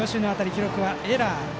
記録はエラー。